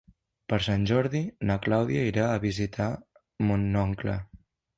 Per Sant Jordi na Clàudia irà a visitar mon oncle.